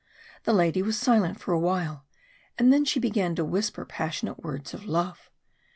The lady was silent for a while, and then she began to whisper passionate words of love.